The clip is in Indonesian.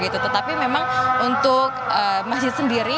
tetapi memang untuk masjid sendiri